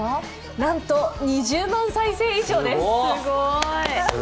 なんと２０万回以上です。